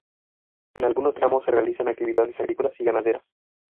En algunos tramos se realizan actividades agrícolas y ganaderas.